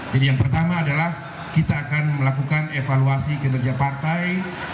yang pertama adalah kita akan melakukan evaluasi kinerja partai